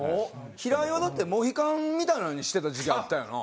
平井はモヒカンみたいなのにしてた時期あったよな。